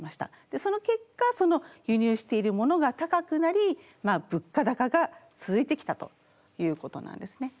その結果輸入しているものが高くなり物価高が続いてきたということなんですね。